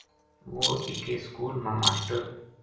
وُہ اِکے سکول ما ماشٹر